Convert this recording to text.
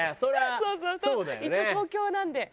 そうそう一応東京なんで。